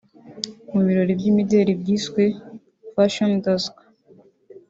Mu birori by’imideli byiswe “Fashion Dusk”